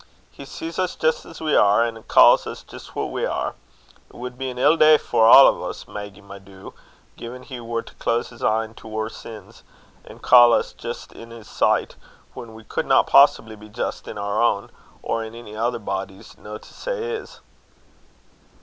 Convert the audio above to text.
He sees us jist as we are, and ca's us jist what we are. It wad be an ill day for a' o's, Maggy, my doo, gin he war to close his een to oor sins, an' ca' us just in his sicht, whan we cudna possibly be just in oor ain or in ony ither body's, no to say his."